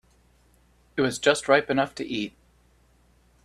It was just ripe enough to eat.